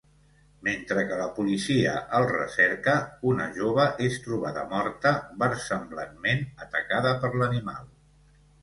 Mentre que la policia el recerca, una jove és trobada morta, versemblantment atacada per l'animal.